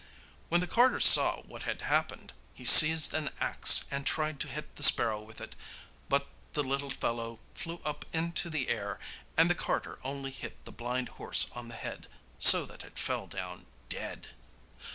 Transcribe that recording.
When the carter saw what had happened, he seized an axe and tried to hit the sparrow with it, but the little bird flew up into the air, and the carter only hit the blind horse on the head, so that it fell down dead.